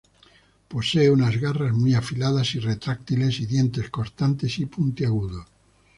Posee unas garras muy afiladas y retráctiles y dientes cortantes y puntiagudos.